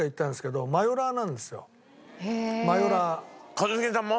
一茂さんも？